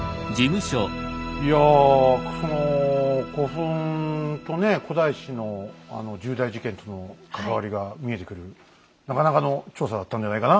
いやその古墳とね古代史の重大事件との関わりが見えてくるなかなかの調査だったんじゃないかな。